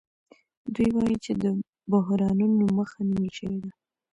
دوی وايي چې د بحرانونو مخه نیول شوې ده